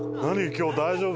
今日大丈夫？